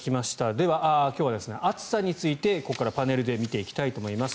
では、今日は暑さについてここからパネルで見ていきたいと思います。